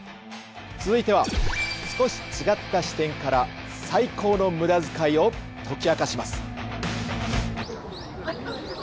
続いては少し違った視点から「最高の無駄遣い」を解き明かします！